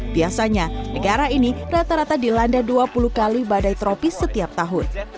biasanya negara ini rata rata dilanda dua puluh kali badai tropis setiap tahun